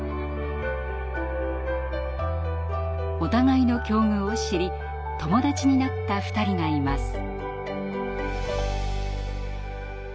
お互いの境遇を知り友達になった２人がいます。